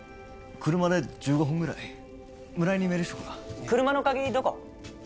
車で１５分ぐらい村井にメールしとくわ車の鍵どこ？